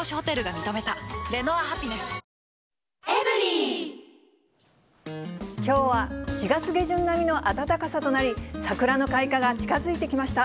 空気も感じながらみたいな、きょうは４月下旬並みの暖かさとなり、桜の開花が近づいてきました。